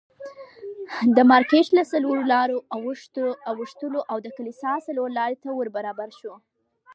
د مارکېټ له څلور لارې اوښتلو او د کلیسا څلورلارې ته ور برابر شوو.